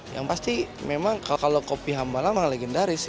yang pasti memang kalau kopi hambalang malah legendaris